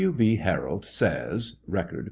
B. Harrold says, (Record, p.